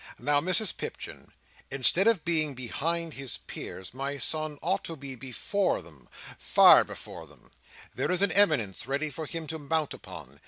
Now, Mrs Pipchin, instead of being behind his peers, my son ought to be before them; far before them. There is an eminence ready for him to mount upon.